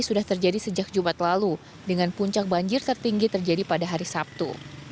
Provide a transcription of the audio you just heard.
sudah terjadi sejak jumat lalu dengan puncak banjir tertinggi terjadi pada hari sabtu